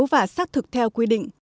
và xác thực theo quy định